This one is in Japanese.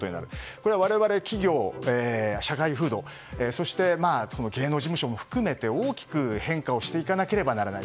これは我々、企業、社会風土そして芸能事務所も含めて大きく変化をしていかなければならない。